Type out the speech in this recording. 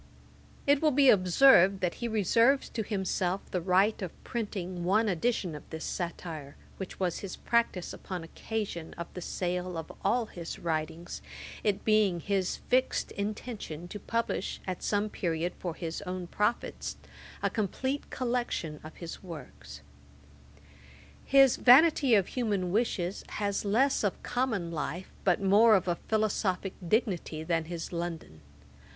It will be observed, that he reserves to himself the right of printing one edition of this satire, which was his practice upon occasion of the sale of all his writings; it being his fixed intention to publish at some period, for his own profit, a complete collection of his works. His Vanity of Human Wishes has less of common life, but more of a philosophick dignity than his London.